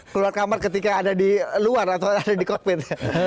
keluar kamar ketika ada di luar atau ada di kokpit